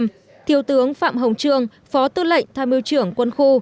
theo quyết định của thủ tướng chính phủ trung tướng phạm hồng trương phó tư lệnh tham yêu trưởng quân khu